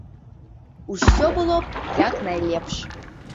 Усё было б як найлепш.